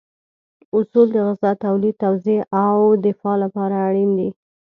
اصول د غذا تولید، توزیع او دفاع لپاره اړین دي.